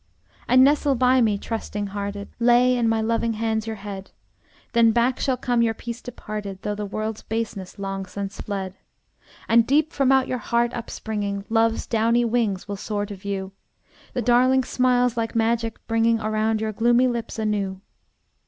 And nestle by me, trusting hearted; Lay in my loving hands your head: Then back shall come your peace departed, Through the world's baseness long since fled; And deep from out your heart upspringing, Love's downy wings will soar to view, The darling smiles like magic bringing Around your gloomy lips anew.